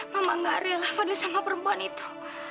mama nggak rela fadil sama perempuan itu